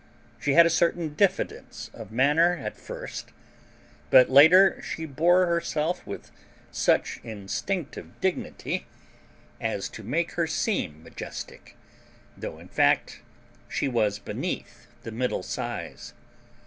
She had a certain diffidence of manner at first; but later she bore herself with such instinctive dignity as to make her seem majestic, though in fact she was beneath the middle size.